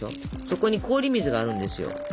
そこに氷水があるんですよ。